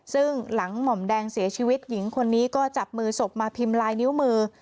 ซึ่งหลังหม่อมแดงเสียชีวิตหญิงคนนี้ก็จับมือศพมาพิมพ์ลายนิ้วมือ